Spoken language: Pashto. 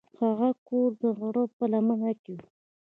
هغه کور د غره په لمن کې و.